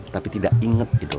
tapi tidak ingat ido